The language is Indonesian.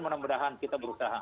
mudah mudahan kita berusaha